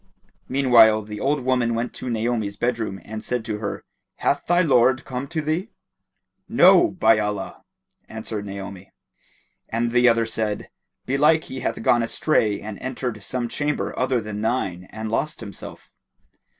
Meanwhile the old woman went to Naomi's bedroom and said to her, "Hath thy lord come to thee?" "No, by Allah!" answered Naomi, and the other said, "Belike he hath gone astray and entered some chamber other than thine and lost himself."